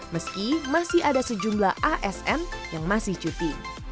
meski masih ada sejumlah asn yang masih cuti